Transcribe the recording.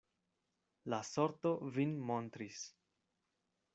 La sorto vin montris.